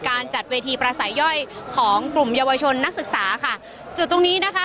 การจัดเวทีประสัยย่อยของกลุ่มเยาวชนนักศึกษาค่ะจุดตรงนี้นะคะ